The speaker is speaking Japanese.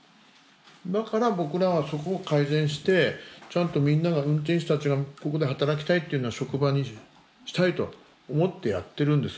だから僕らはそこを改善してちゃんとみんなが運転手たちがここで働きたいというような職場にしたいと思ってやってるんです。